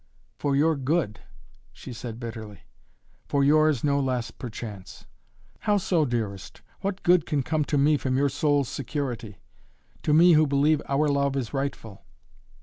"For your good!" she said bitterly. "For yours no less, perchance." "How so, dearest? What good can come to me from your soul's security? To me, who believe our love is rightful?"